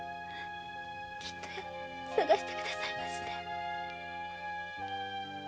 きっと捜してくださいましね。